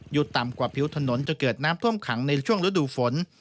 ต่ำกว่าผิวถนนจะเกิดน้ำท่วมขังในช่วงฤดูฝน